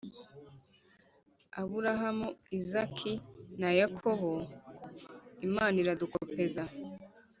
abrahamu, izaki na yakobo. »imana iradukopeza,